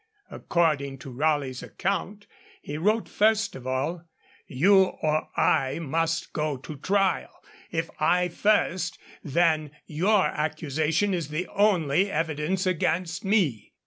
According to Raleigh's account, he wrote first of all, 'You or I must go to trial. If I first, then your accusation is the only evidence against me.'